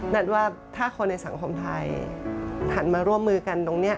นัทว่าถ้าคนในสังคมไทยหันมาร่วมมือกันตรงนี้